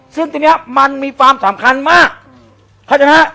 ซึ่งทีนี้มันมีความสำคัญมาก